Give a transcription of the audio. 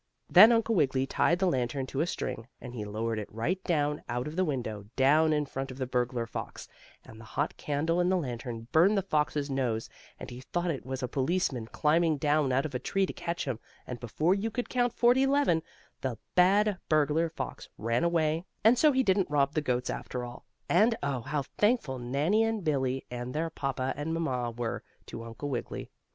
Then Uncle Wiggily tied the lantern to a string, and he lowered it right down out of the window; down in front of the burglar fox, and the hot candle in the lantern burned the fox's nose, and he thought it was a policeman climbing down out of a tree to catch him, and before you could count forty 'leven the bad burglar fox ran away, and so he didn't rob the goats after all. And, oh! how thankful Nannie and Billie and their papa and mamma were to Uncle Wiggily.